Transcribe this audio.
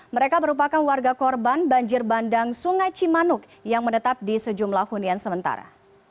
mereka merupakan warga korban banjir bandang sungai cimanuk yang menetap di sejumlah hunian sementara